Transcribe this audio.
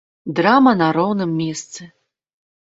Драма на роўным месцы.